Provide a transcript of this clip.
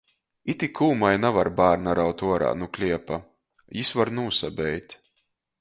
Itik ūmai navar bārna raut uorā nu kliepa — jis var nūsabeit!